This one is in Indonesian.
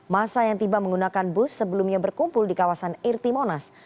masa yang tiba menggunakan bus sebelumnya berkumpul di kawasan irti monas